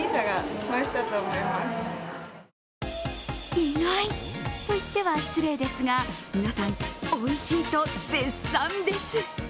意外と言っては失礼ですが、皆さん、おいしいと絶賛です。